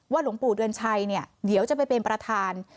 หลวงปู่เดือนชัยเนี่ยเดี๋ยวจะไปเป็นประธาน